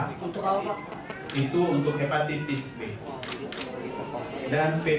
itu untuk hepatitis b dan ppd